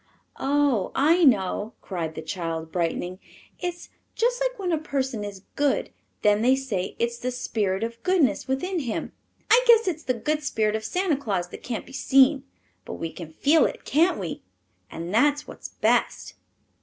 "Oh, I know," cried the child, brightening. "It's just like when a person is good. Then they say it's the spirit of goodness within him. I guess it's the good spirit of Santa Claus that can't be seen. But we can feel it, can't we? and that's what's best."